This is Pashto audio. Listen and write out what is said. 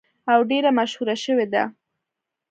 او ډیره مشهوره شوې ده.